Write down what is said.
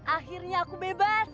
akhirnya aku bebas